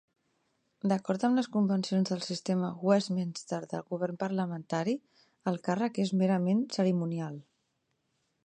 D'acord amb les convencions del sistema Westminster de govern parlamentari, el càrrec és merament cerimonial.